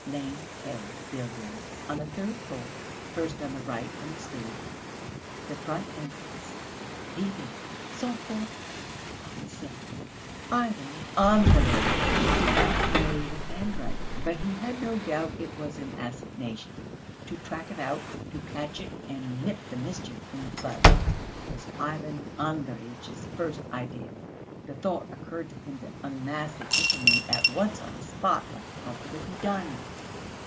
Lane, K. buildings, on the third floor, the first on the right from the stairs. The front entrance. Be there, sans faute; for God's sake." Ivan Andreyitch did not know the handwriting, but he had no doubt it was an assignation. "To track it out, to catch it and nip the mischief in the bud," was Ivan Andreyitch's first idea. The thought occurred to him to unmask the infamy at once on the spot; but how could it be done?